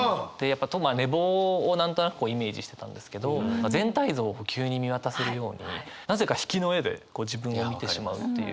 と寝坊を何となくイメージしてたんですけど全体像を急に見渡せるようになぜか引きの絵で自分を見てしまうという。